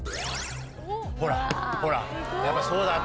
ほらほらやっぱそうだったんだ。